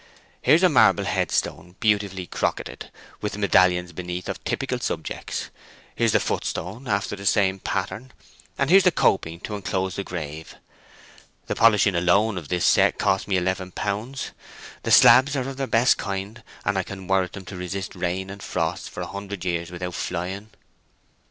"Here's a marble headstone beautifully crocketed, with medallions beneath of typical subjects; here's the footstone after the same pattern, and here's the coping to enclose the grave. The polishing alone of the set cost me eleven pounds—the slabs are the best of their kind, and I can warrant them to resist rain and frost for a hundred years without flying."